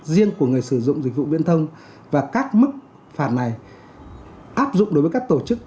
riêng của người sử dụng dịch vụ viễn thông và các mức phạt này áp dụng đối với các tổ chức